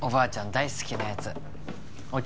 大好きなやつお茶